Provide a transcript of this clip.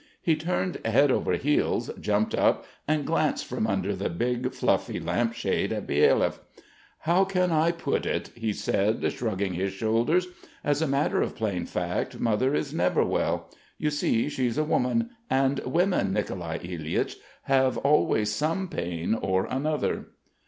He turned head over heels, jumped up, and glanced from under the big, fluffy lampshade at Byelyaev. "How can I put it?" he said, shrugging his shoulders. "As a matter of plain fact mother is never well. You see she's a woman, and women, Nicolai Ilyich, have always some pain or another."